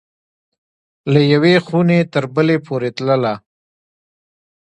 له یوې خوني تر بلي پوری تلله